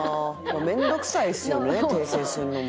「面倒くさいですよね訂正するのも」